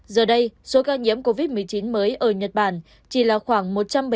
giờ đây số ca nhiễm covid một mươi chín mới ở nhật bản chỉ là khoảng một trăm bảy mươi tám